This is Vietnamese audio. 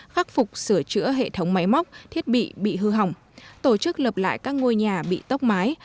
khắc phục sửa chữa hệ thống máy móc thiết bị bị hư hỏng tổ chức lập lại các ngôi nhà bị tốc mái